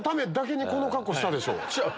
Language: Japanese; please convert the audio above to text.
違う！